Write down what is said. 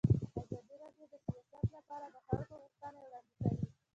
ازادي راډیو د سیاست لپاره د خلکو غوښتنې وړاندې کړي.